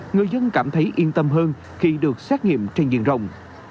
người dân cảm thấy yên tâm hơn khi được xét nghiệm trên diện rộng